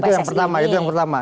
ya itu yang pertama